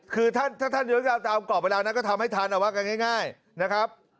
คือถ้าท่านอยากจะเอาก่อเวลานั้นก็ทำให้ท่านเอาว่าง่ายนะครับ